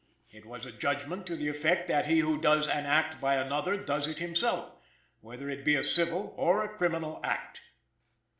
It was a judgment to the effect that he who does an act by another does it himself, whether it be a civil or a criminal act."